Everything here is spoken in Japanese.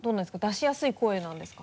出しやすい声なんですか？